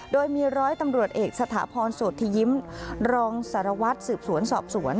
โดยมีร้อยตำรวจเอกสถาพรโสธิยิ้มรองสารวัตรสืบสวนสอบสวน